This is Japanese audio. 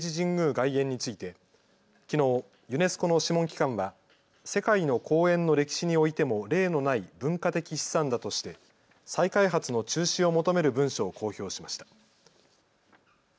外苑について、きのうユネスコの諮問機関は世界の公園の歴史においても例のない文化的資産だとして再開発の中止を求める文書を公表しました。